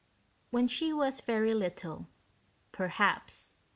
When she was very little, perhaps.